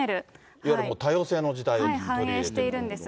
いわゆる多様性の時代、反映しているんです。